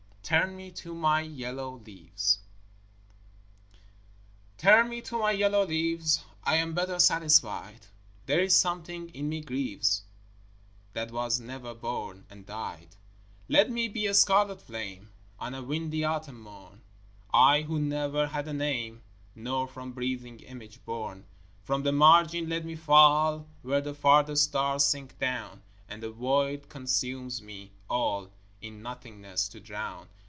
TURN ME TO MY YELLOW LEAVES Turn me to my yellow leaves, I am better satisfied; There is something in me grieves That was never born, and died. Let me be a scarlet flame On a windy autumn morn, I who never had a name, Nor from breathing image born. From the margin let me fall Where the farthest stars sink down, And the void consumes me, all In nothingness to drown.